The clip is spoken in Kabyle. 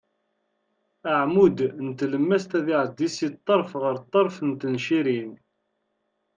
Aɛmud n tlemmast ad iɛeddi si ṭṭerf ɣer ṭṭerf n tencirin.